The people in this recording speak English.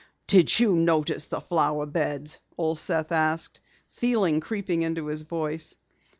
"Did you notice the flower beds?" Old Seth asked, feeling creeping into his voice.